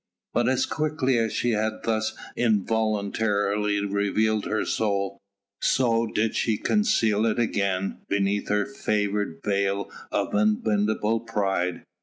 But as quickly as she had thus involuntarily revealed her soul, so did she conceal it again beneath her favoured veil of unbendable pride.